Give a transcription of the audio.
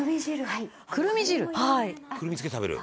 「はい」「くるみつけて食べる？」